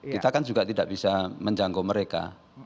kita kan juga tidak bisa menjangkau mereka